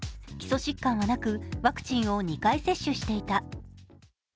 基礎疾患はなく、ワクチンを２回接種していた。